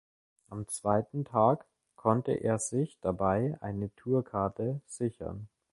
Am zweiten Tag konnte er sich dabei eine Tourkarte sichern.